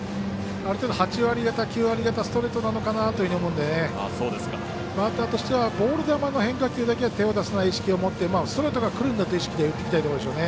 ある程度、８割方、９割方ストレートなのかなというふうに思うのでバッターとしてはボール球の変化球だけは手を出さないという意識を持ってストレートがくるんだという意識で打っていきたいところでしょうね。